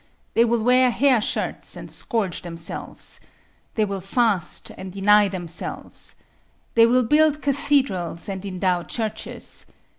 They will wear hair shirts and scourge themselves. They will fast and deny themselves. They will build cathedrals and endow churches.